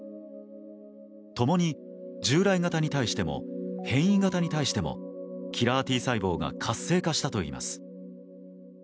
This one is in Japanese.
共に従来型に対しても変異型に対してもキラーＴ細胞が活性化したといいます。